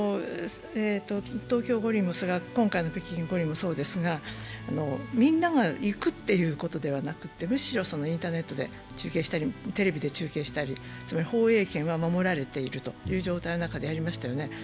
東京五輪も今回の五輪もそうですがみんなが行くということではなくて、むしろインターネットで中継したり、テレビで中継したり、つまり放映権は守られているという中でやりましたよね。